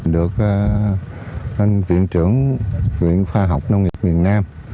được lên viện trưởng viện khoa học nông nghiệp miền nam